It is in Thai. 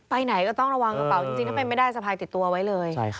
ไปไหนก็ต้องระวังกระเป๋าจริงถ้าเป็นไม่ได้สะพายติดตัวไว้เลย